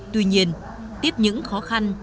tuy nhiên tiếp những khó khăn